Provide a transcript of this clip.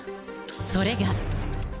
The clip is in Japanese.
それが。